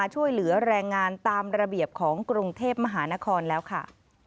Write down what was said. ช่วยเหลือแรงงานตามระเบียบของกรุงเทพมหานครแล้วค่ะ